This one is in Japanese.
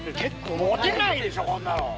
持てないでしょ、こんなの。